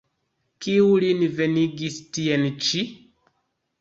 Kiu lin venigis tien ĉi?